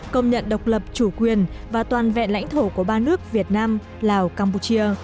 công nhận độc lập chủ quyền và toàn vẹn lãnh thổ của ba nước việt nam lào campuchia